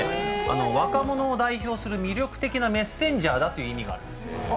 若者を代表する魅力的なメッセンジャーだという意味があるんですよ。